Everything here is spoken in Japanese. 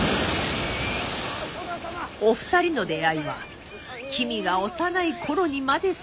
お二人の出会いは君が幼い頃にまで遡り。